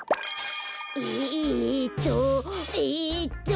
えっとえっと。